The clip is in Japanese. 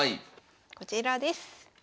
こちらです。